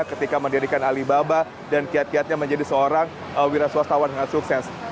ketika mendirikan alibaba dan kiat kiatnya menjadi seorang wira swastawan dengan sukses